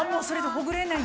ほぐれない。